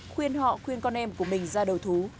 khuyên họ khuyên con em của mình ra đầu thú